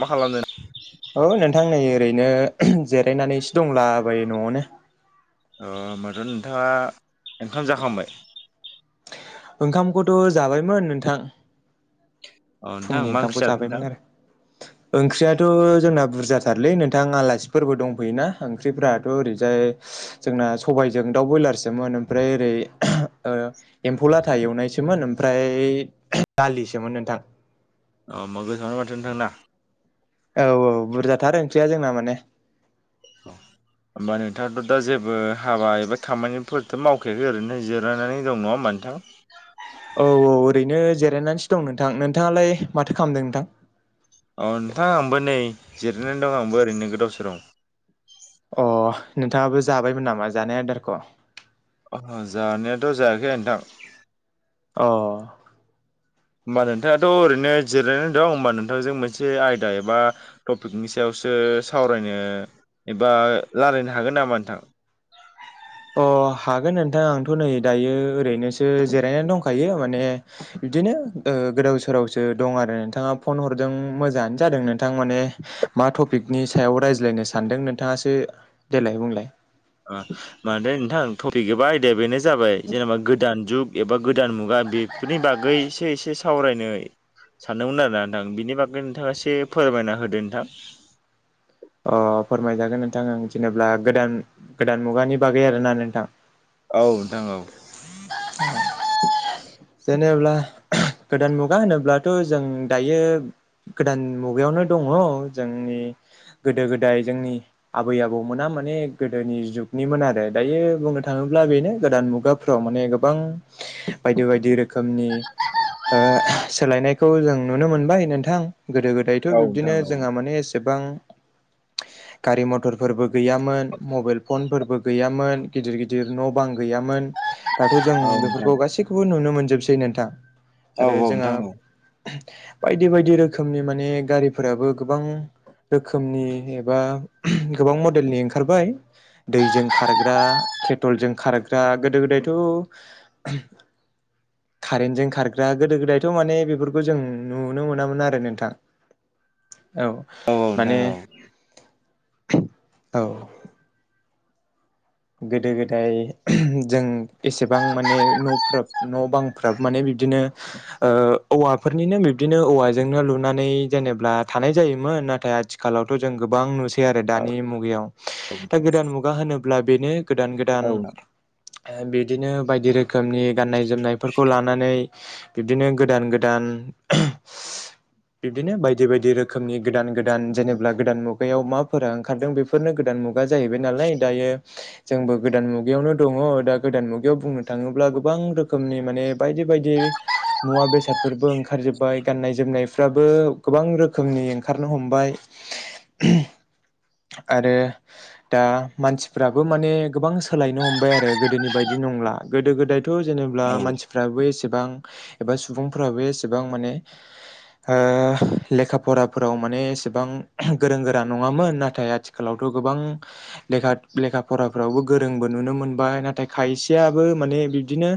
मा खालामदों औ नोंथां नै ओरैनो जिरायनानैसो दंलाबायो न'आवनो। ओ ओमाबाथ' नोंथाङा ओंखाम जाखांबाय? ओंखामखौथ' जाबायमोन नोंथां। अ नोंथां फुंनि मा ओंख्रि ओंखामखौ जाखो नोंथां जाबायमोन आरो। ओंख्रियाथ' जोंना बुरजाथारलै नोंथां आलासिफोरबो दंफैयोना ओंख्रिफ्राथ' ओरैजाय जोंना सबायाइजों दाउ ब्रयलारसोमोन ओमफ्राय ओरै ओ एम्फौ लाथा एवनायसोमोन ओमफ्राय दालिसोमोन नोंथां। अ ओमबा गोथावानो माथो नोंथांना? औ औ बुरजाथार ओंख्रिया जोंना माने। होमबा नोंथाङाथ' दा जेबो हाबा एबा खामानिफोरथ' मावखायाखै ओरैनो जिरायनानै दं नङा होमबा नोंथां? औ औ ओरैनो जिरायनानैसो दं नोंथां। नोंथाङालाय माथो खालामदों नोंथां? औ नोंथां आंबो नै जिरायनानै दं आंबो ओरैनो गोदाव सोराव। अ नोंथाङाबो जाबायमोन नामा जानाय आदारखौ? ओ जानायाथ' जायाखै नोंथां। अ। होमबा नोंथाङाथ' ओरैनो जिरायनानै दं होमबा नोंथांजों मोनसे आयदा एबा टपिकनि सायाव सो सावरायनो एबा लारायनो हागोन नामा नोंथां? अ हागोन नोंथां आंथ' नै दायो ओरैनोसो जिरायनानै दंखायो माने बिदिनो गोदाव सोरावसो दं आरो नोंथाङा फन हरदों मोजाङानो जादों नोंथां माने मा टपिकनि सायाव रायज्लायनो सानदों नोंथाङासो देलाय बुंलाय? ओ माथो नोंथां टपिक एबा आयदाया बेनो जाबाय जेनेबा गोदान जुग एबा गोदान मुगा बेफोरनि बागै एसे एसे सावरायनो सानदोंमोन आरो ना नोंथां बिनि बागै नोंथाङा एसे फोरमायना होदो नोंथां। अ फोरमायजागोन नोंथां आं जेनेबा गोदान गोदान मुगानि बागै आरोना नोंथां? औ नोंथां औ। जेनेब्ला गोदान मुगा होनोब्लाथ' जों दायो गोदान मुगायावनो दङ जोंनि गोदो गोदाय जोंनि आबै आबौमोना माने गोदोनि जुगनिमोन आरो दायो बुंनो थाङो ब्ला बेनो गोदान मुगाफ्राव माने गोबां बायदि बायदि रोखोमनि ओ सोलायनायखौ जों नुनो मोनबाय नोंथां। गोदो-गोदायथ' बिब्दिनो औ जोंहा माने एसेबां गारि-मथरफोरबो गैयामोन मबाइल फनफोरबो गैयामोन गिदिर गिदिर न' बां गैयामोन। दाथ' जों औ नोंथां बेफोरखौ गासैखौबो नुनो मोनजोबसै नोंथां। औ-औ नोंथां। बायदि-बायदि रोखोमनि माने गारिफोराबो गोबां रोखोमनि एबा गोबां मडेलनि ओंखारबाय। दैजों खारग्रा पेट्रलजों खारग्रा गोदो-गोदाय त' खारेन्टजों खारग्रा गोदो गोदायथ' माने बेफोरखौ जों नुनो मोनामोन आरो नोंथां [inaudible] औ औ माने नोंथां औ औ औ गोदो गोदाय जों एसेबां माने न'फ्राब न' बांफ्राबो माने बिदिनो ओ औवाफोरनिनो बिब्दिनो औवाजोंनो लुनानै जेनेब्ला थानाय जायोमो ोन नाथाय आथिखालावथ' जों गोबां नुस ै आरो दानि मुगायाव ओ गोदान मुगा होनोब्ला बेनो गोदान औ गोदान नोंथां ओ बिदिनो बायदि रोखोमनि गाननाय जोमनायफोरखौ लानानै बिब्दिनो गोदान गोदान उम बिब्दिनो बायदि बायदि रोखोमनि गोदान गोदान जेनेब्ला गोदान मुगायाव माफोरा ओंखारदों बेफोरनो गोदान मुगा जाहैबाय नालाय दायो जोंबो गोदान मुगायावनो दङ दा गोदान मुगायाव बुंनो थाङोब्ला गोबां रोखोमनि माने बायदि बेबायदि मुवा बेसादफोरबो ओंखारजोबबाय गाननाय जोमनायफ्राबो गोबां रोखोमनि ओं खारनो हमबाय आरो दा मानसि फोराबो माने गोबां सोलायनो हमबाय आरो गोदोनि बायदि नंला गोदो गोदाय थ' जेनेब्ला औ औ मानसिफ्रा बो एस ेबां एबा सुबुंफोराबो एसेबां माने ओ लेखा फराफोराव माने एसेबां गोरों गोरा नङामोन नाथाय आथिखालावथ' गोबां लेखा लेखा फराफ्रावबो गोरोंबो नुनो मोनबाय नाथाय खायसेयाबो माने बिब्दिनो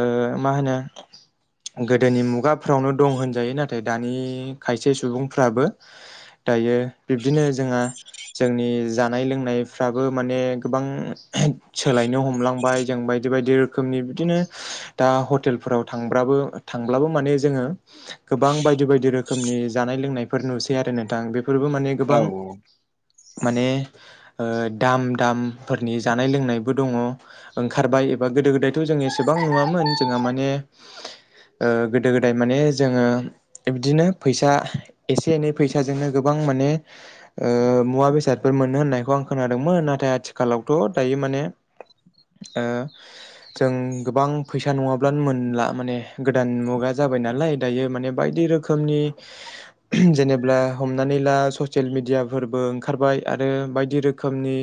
ओ ओ मा होनो गोदोनि मुगाफोरावनो दं होनजायो नाथाय दानि खायसे सुबुंफ्राबो दायो बिब्दिनो जोङा जोंनि जानाय लोंनाय फ्राबो माने गोबां सोलायनो हमलांबाय जों बायदि बायदि रोखोमनि बिदिनो दा हटेलफोराव थांब्राबो-थांब्लाबो माने जोङो गोबां बायदि बायदि रोखोमनि जानाय लोंनायफोर नुसै आरो नोंथां बेफोरबो माने औ गोबां माने। ओ दाम-दामफोरनि जानाय लोंनायबो दङ ओंखारबाय एबा गोदो गोदायथ' जों एसेबां नुआमोन जोङा माने ओ गोदो गोदाय माने जोङो इबदिनो फैसा एसे एनै फैसाजोंनो गोबां ओ माने ओ मुवा बेसादफोर मोनो होननायखौ आं खोनादोंमोन नाथाय आथिखालावथ' दायो माने ओ जों गोबां फैसा नङाब्लानो मोनला माने गोदान मुगा जा जाबाय नालाय दायो माने बायदि रोखोमनि जेनेब्ला हमनानै ला सशियेल मि दियाफोरबो ओंखारबाय आरो बायदि रो खोमनि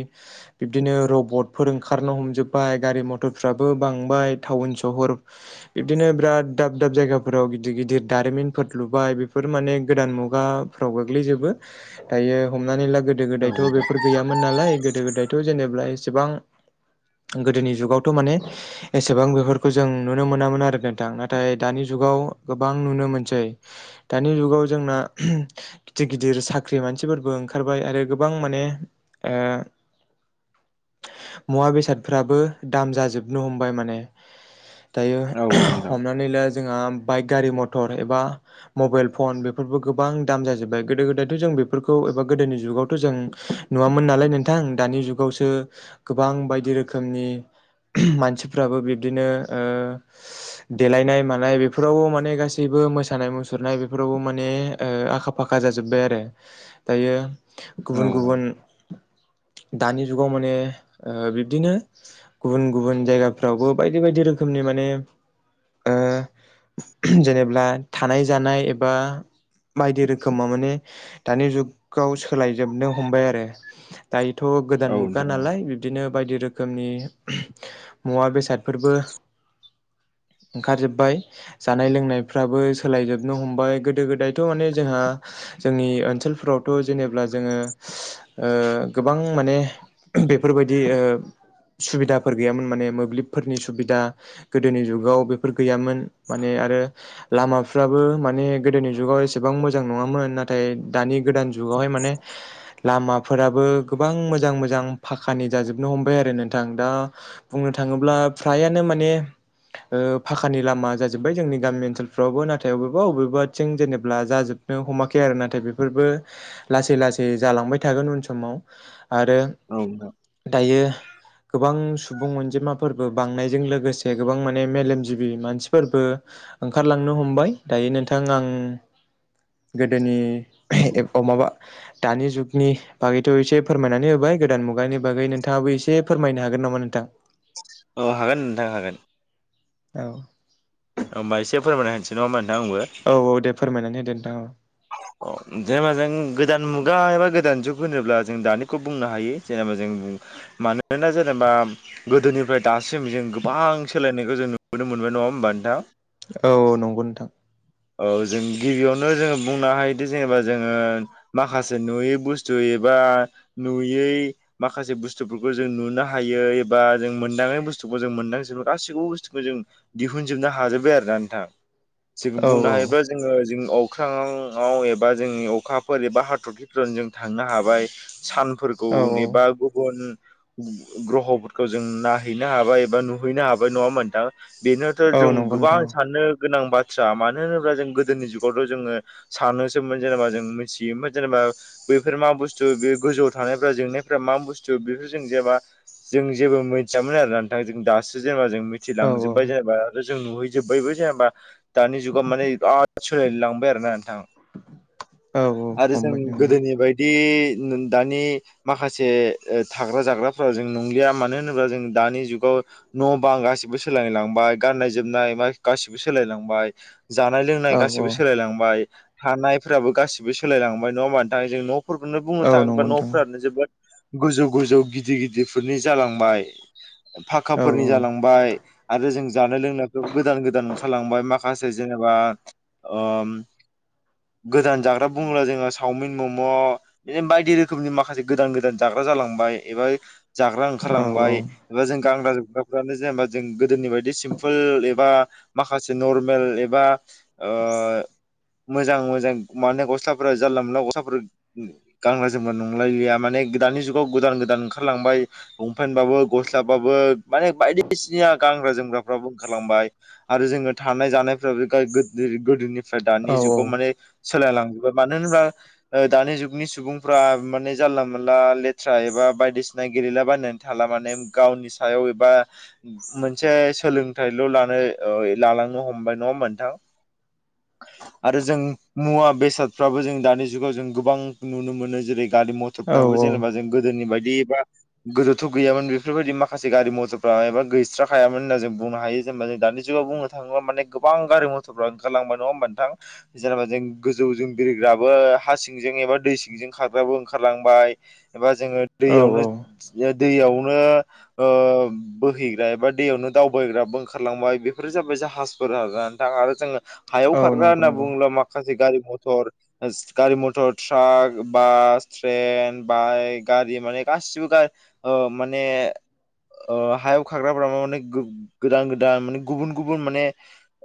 बिबदिनो रबटफोर ओंखारनो हमजोबबाय गारि मथरफ्राबो बांबाय थाव उन शहर बिबदिनो बिराद दाब दाब जायगाफोराव गिदिर गिदिर दारिमिनफोर लुबाय बेफोर माने गोदान मुगाफ्राव गोग्लैजोबो दायो हमनानै ला गोदो औ गोदायथ' नोंथां औ नोंथां औ नोंथां बेफोर गैया मोन नालाय गोदो गोदायथ' जेनेब्ला एसेबां गोदोनि जुगावथ' माने एसेबां बेफोरखौ जों नुनो मोनामोन आरो नोंथां नाथाय दानि जु जुगाव गोबां नुनो मोनसै दानि जुगाव जोंना गिदिर गिदिर साख्रि मा मानसिफोरबो ओंखारबाय आरो गोबां माने ओ मुवा बेसादफ्राबो दाम जाजोबनो हमबाय माने दायो औ औ नोंथां औ हमनानै ला जोंहा बाइक गारि मथर एबा मबाइल फन बेफोरबो गोबां दाम जाजोब्बाय गोदो गोदायथ' जों बेफोरखौ एबा गोदोनि जुगावथ' जों नुवा मोन नालाय नोंथां दानि जुगावसो गोबां बायदि रोखोमनि मानसिफ्राबो बिब्दिनो ओ देलायनाय मानाय बेफोरावबो माने गासै बो मोसानाय मुसुरनाय बेफोरावबो माने ओ आखा फाखा जाजोब्बाय आरो दायो गुबुन गुबुन दानि जुगाव माने ओ बिब्दिनो गुबुन गुबुन जायगाफ्रावबो बायदि बायदि रोखोमनि माने ओ जेनेब्ला थानाय जानाय एबा बायदि रोखोमाव माने दानि जुगाव सोलायजोबनो हमबाय आरो। दायोथ' गोदान मुगा नालाय ब्दिनो बायदि रोखोमनि मुवा बेसादफोरबो ओंखारजोबबाय जानाय लोंनायफ्राबो सोलायजोबनो हमबाय गोदो गोदायथ' माने जोंहा जोंनि ओनसोलफोरावथ' जेनेब्ला जोङो ओ गोबां माने बेफोरबायदि ओ सुबिदाफोर गैयामोन माने मोब्लिबफोरनि सुबिदा गोदोनि जुगाव बेफोर गैयामोन माने आरो लामाफ्राबो माने गोदोनि जुगाव एसेबां मोजां नङामोन नाथाय दानि गोदान जुग गावहाय माने लामा फोराबो गोबां मोजां मोजां फाखानि जाजोबनो हमबाय आरो नोंथां दा बुंनो थाङोब्ला फ्रायानो माने ओ फाखानि लामा जाजोब्बाय जोंनि गामि ओनसोलफ्रावबो नाथाय बबेबा बबेबाथिं जेनेबा जाजोब नो हमाखै आरो नाथाय बेफोरबो लासै लासै जालांबाय थागोन उन समाव आरो दायो गोबां सु बुं अनजिमाफोरबो बांनायजों लोगोसे गोबां माने मेलेमजिबि मानसिफोरबो ओंखारलांनो हमबाय दायो नोंथां आं गोदोनि माबा दानि जुग नि बागैथ' एसे फोरमायनानै होबाय गोदान मुगानि बागै नोंथाङाबो एसे फोरमायनो हागोन नामा नोंथां? औ हागोन नोंथां हागोन। औ होमबा एसे फोरमायना होनोसै नङा होमबा नोंथां आंबो औ औ दे फोरमायनानै होदो नोंथां औ। अ जेनेबा जों गोदान मुगा एबा गोदान जुग होनोब्ला जों दानिखौ बुंनो हायो जेनेबा जों मानोना जेनेबा गोदोनिफ्राय दासिम जों गोबां सोलायनायखौ जों नुबोनो मोन बाय नङा होमबा नोंथां? औ औ नंगौ नोंथां। औ जों गिबियावनो जोङो बुंनो हायोदि जेनेबा जोङो माखासे नुयै बुस्थु एबा नुयै माखासे बुस्थुफोरखौ जों नुनो हायो एबा जों मोनदाङै बुस्थुखौ जों मोन्दांजोबो जों गासैखौबो बुस्थुखौ जों जों दिहुनजोबनो हाजोब्बाय आरोना नोंथां जों औ बुंनो औ हायोब्ला जोङो जों अख्राङाव ङाव एबा जोंनि अखाफोर एबा हाथरखिफोर जों थांनो हाबाय। सानफोरखौ औ एबा गुबुन ग्रह'फोरखौ जों नायहैनो हाबाय एबा नुहैनो हाबाय नङा होमबा नोंथां? बेनोथ' औ जों नंगौ नोंथां गोबां साननो गोनां बाथ्रा मानो होनोब्ला जों गोदोनि जुगावथ' जोङो सानोसोमोन जेनेबा जों मिथियोमोन जेनेबा बैफोर मा बुस्थु बे गोजौआव थानायफ्रा जोंनाय फोरा मा बुस्थु बेखौ जों जेनबा जों जेबो मोनथियामोन आरो नोंथां जों दासो जेनबा जों औ औ मिथिलांजोबबाय जेनेबा आरो जों नुहैजोबबायबो जेनेबा दानि जुगाव माने सोलाय लांबाय आरो ना नोंथां औ औ आरो जों हमबाय नंगौ गोदोनि बायदि दानि माखासे थाग्रा जाग्राफोरा जों नंलिया मानो होनोबा जों दानि जुगाव न' बां गासिबो सोलाय लांबाय गाननाय जोमनाय गासिबो सोलायलांबाय। जानाय लोंनाय औ औ गाैबो सोलायलांबाय थानायफ्राबो गासिबो सोलायलांबाय नङा होमबा नोंथां जों न' फोरखौनो बुंनो औ थाङोबा नंगौ नोंथां न'फोरानो जोबोद गोजौ गोजौ गिदिर गिदिरफोरनि जालांबाय औ फाखाफोरनि जालांबाय आरो जों जानो लोंनायफ्राबो गोदान गोदान ओंखारलांबाय माखासे जेनेबा ओम [inaudible] गोदान जाग्रा बुङोब्ला जोङो सावमिन मम' बिदिनो बायदि रोखोमनि माखासे गोदान गोदान जाग्रा जालां बाय एबा जाग्रा औ ओंखारलांबाय एबा जों गानग्रा जोम ग्राफ्रानो जेनेबा जों गोदोनि बायदि सिम्पोल एबा माखासे नरमेल एबा ओ मोजां मोजां माने गस्लाफोरा जानला मोनला गस्लाफोर गान्रा जोमग्रा नंलायलिया माने दानि जुगाव गोदान गोदान ओंखारलांबाय लंपेनबाबो गस्लाबाबो माने बायदिसिना गां गानग्रा जोमग्राफ्राबो ओखारलांबाय आरो जोङो थानाय जानाय फ्राबो गा गोदो गोदोनिफ्राय औ दानि जुग सोलायलांबाय मानो होनोबा ओ दानि जुगनि सुबुंफोरा माने जानला मोनला लेथ्रा एबा बायदिसिना गेलेला बायनानै थाला माने गावनि सायाव एबा मोनसे सो सोलोंथाइल' लानो ओय लालांनो हमबाय नङा होनबा नोंथां [inaudible] आरो जों मुवा बेसादफ्राबो जों दानि जुगाव जों गोबां नुनो मोनो जेरै गारि मथरफ्राबो जेनेबा औ जों गोदोनि बायदि बे बा गोदोथ' गैयामोन बेफोरबायदि माखासे गारि मथरफ्रा एबा गैस्राखायामोन होनना जों बुंनो हायो जेनबा जों दानि जुगाव बुंनोथाङोबा माने गोबां गारि मथरफ्रा ओंखारलांबाय नङा होनबा नोंथां जेनेबा जों गोजौजों बिरग्राबो हा सिंजों एबा दै सिंजों खारग्राबो ओंखारलांबाय एबा जोङो औ दैयावनो दैयावनो ओ बोहैग्रा एबा दैयावनो दावबायग्राबो ओंखारलांबाय बेफोरो जाबाय जाहाज फोरा थाङ आरो जोङो हायाव औ खारग्रा नंगौ होनना नंगौ बुङोब्ला माखासे गारि मथर गारि मथर ट्राक बास ट्रेन बाइक गारि माने गासिबो गा ओ माने ओ हायाव खाग्राफोरा मा माने गोदान गोदान माने गुबुन गुबुन माने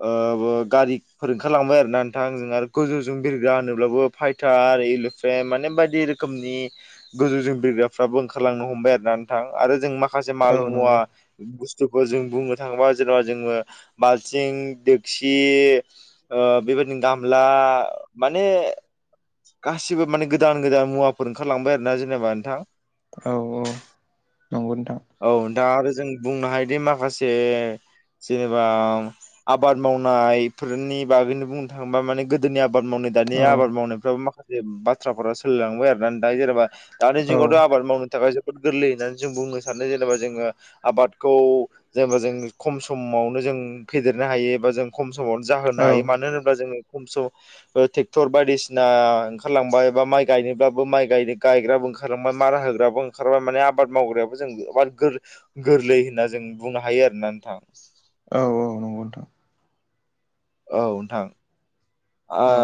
ओ ब गारिफोर ओंखारलांबाय आरोना थांजों आरो गोजौजों बिरग्रा होनोब्लाबो फाइटार एलोफ्रेन्ट माने बायदि रोखोमनि गोजौजों बिरग्राफ्राबो ओंखारलांनो हमबाय आर ना नों थां आरो जों माखासे औ माल मुवा नंगौ थुखौ जों बुंनो थाङोबा जेनेबा जोङो बालथिं दोक्सि ओ बेबायदि गामला माने गासिबो माने गोदान गोदान मुवाफोर ओंखारलांबाय आरोना जेनेबा नोंथां औ औ नंगौ नोंथां औ दा आरो जों बुंनो हायोदि माखासे जेनेबा आबाद मावनायफोरनि बागैनो बुंदों थांबा माने गोदोनि आबाद मावनाय दानि औ आबाद मावनायफ्राबो माखा जे बाथ्राफोरा सोलिलांबाय आरो ना दा जेनेबा दानि औ जुगावथ' आबाद मावनो थाखाय जोबोद गोरलैयैनो जों बुंनो सानो जेनेबा जोङो आबादखौ जेनेबा जों खम समावनो ज जों फेदेरनो हायो एबा जों खम समावनो जाहोनो औ हायो मानो होनोब जों खम समावनो ट्रेक्टर बायदिसिना ओंखारलांबाय एबा माइ गायनोब्लाबो माइ गायनो गाय ग्रा ओंखारलांबाय मारा होग्राबो ओंखारबाय माने आबाद मावग्रायाबो जों गोबां गोरलै गोरलै होनना जों बुंनो हायो आरोना नोंथां औ औ नंगौ नोंथां औ नोंथां आ औ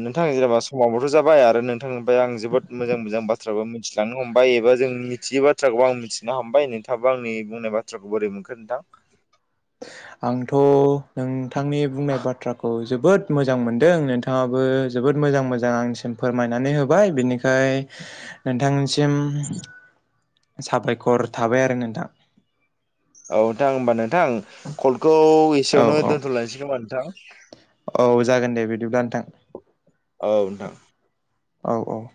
नों नोंथां जेनेबा समाबोथ' जाबाय आरो नोंथांनिफ्राय आं जोबोद मोजां मोजां बाथ्राबो मिथिलांनो हमबाय एबा जोंनि मिथियै बाथ्राखौ आं मिथिनो हमबाय नोंथाङाबा आंनि बुंनाय बाथ्राखौ बोरै मोनखो नोंथां आंथ' नोंथांनि बुंनाय बाथ्राखौ जोब जोबोद मोजां मोनदों नोंथाङाबो जोबोद मोजां मोजां आंनिसिम फोरमायनानै होबाय बिनिखाय नोंथांसिम साबायखर थाबाय आरो नोंथां औ दां होमबानो नोंथां कलखौ औ एसेयावनो औ दोनथ'लायसै खोमा नोंथां औ जागोन दे बिदिब्ला नोंथां औ नोंथां औ औ